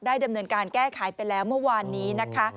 ดำเนินการแก้ไขไปแล้วเมื่อวานนี้นะคะ